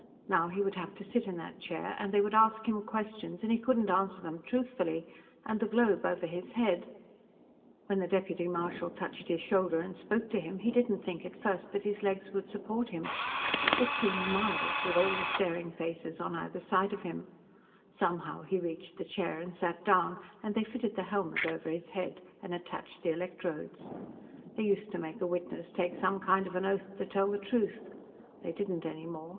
Now he would have to sit in that chair, and they would ask him questions, and he couldn't answer them truthfully and the globe over his head When the deputy marshal touched his shoulder and spoke to him, he didn't think, at first, that his legs would support him. It seemed miles, with all the staring faces on either side of him. Somehow, he reached the chair and sat down, and they fitted the helmet over his head and attached the electrodes. They used to make a witness take some kind of an oath to tell the truth. They didn't any more.